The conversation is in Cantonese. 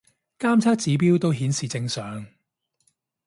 監測指標都顯示正常